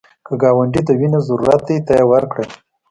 که ګاونډي ته وینې ضرورت دی، ته یې ورکړه